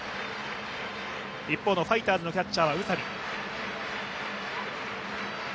一方のファイターズのキャッチャーは宇佐見。